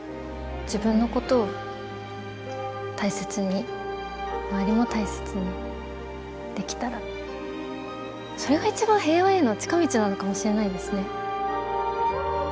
自分のことを大切に周りも大切にできたらそれが一番平和への近道なのかもしれないですね。